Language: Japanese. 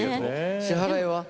支払いは？